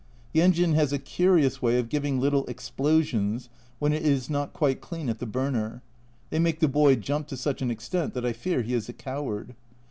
The engine has a curious way of giving little explosions when it is not quite clean at the burner they make the boy jump to such an extent that I fear he is a coward.